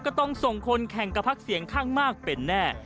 ก็ต้องส่งคนแข่งกับพักเสียงข้างมากเป็นแน่